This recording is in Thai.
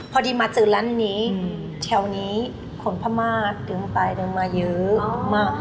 พอดีมาเจอร้านนี้แถวนี้คนพม่าเดินไปเดินมาเยอะมาก